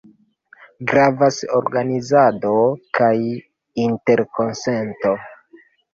Gravas organizado kaj interkonsento.